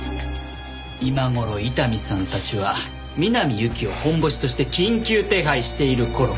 今頃伊丹さんたちは南侑希をホンボシとして緊急手配している頃かと。